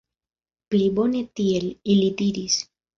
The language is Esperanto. Pli bone tiel, ili diris.